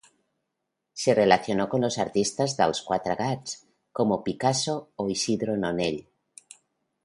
Se relacionó con los artistas de Els Quatre Gats, como Picasso o Isidro Nonell.